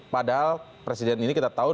padahal presiden ini kita tahu